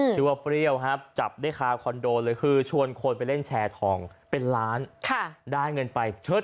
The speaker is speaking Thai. ชื่อพวกเนี่ยเจ้าค้าพอโนโลยคือชวนคนไปเล่นแชร์ทองเป็นล้านค่ะด้านเงินไปเกิด